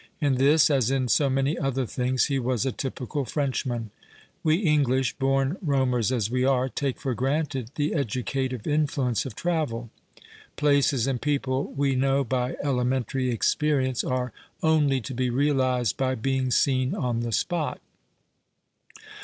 In this, as in so many other things, he was a typical Frenchman. We English, born roaincrs as we are, take for granted the educative influence of travel. Places and people, we know by elementary experience, arc only to be realized by being seen on the sj)ot.